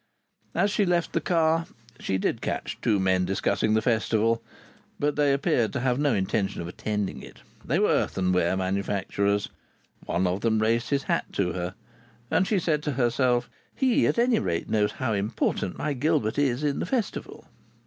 As she left the car she did catch two men discussing the Festival, but they appeared to have no intention of attending it. They were earthenware manufacturers. One of them raised his hat to her. And she said to herself: "He at any rate knows how important my Gilbert is in the Festival!"